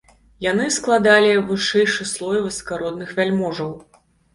Яны складалі вышэйшы слой высакародных вяльможаў.